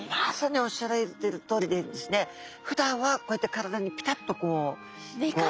まさにおっしゃられてるとおりですねふだんはこうやって体にピタッと。